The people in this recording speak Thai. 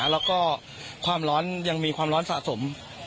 แล้วก็ความร้อนยังมีความร้อนสะสม